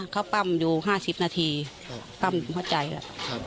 เขาปั้มอยู่ห้าสิบนาทีปั้มหัวใจแล้ว